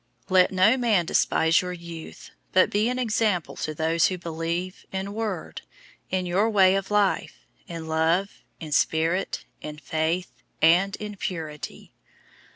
004:012 Let no man despise your youth; but be an example to those who believe, in word, in your way of life, in love, in spirit, in faith, and in purity.